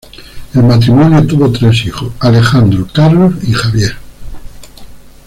El matrimonio tuvo tres hijos: Alejandro, Carlos y Javier.